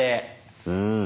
うん。